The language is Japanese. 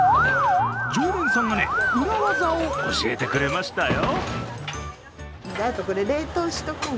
常連さんがね、裏技を教えてくれましたよ。